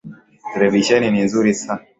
Televisheni ni nzuri.